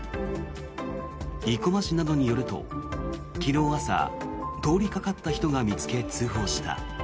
生駒市などによると昨日朝、通りかかった人が見つけ通報した。